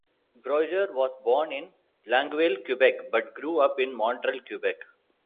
Brodeur was born in Longueuil, Quebec, but grew up in Montreal, Quebec.